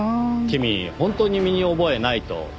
君本当に身に覚えないと？